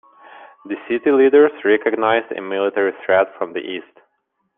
The city leaders recognized a military threat from the east.